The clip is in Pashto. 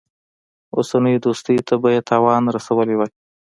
اوسنۍ دوستۍ ته به یې تاوان رسولی وای.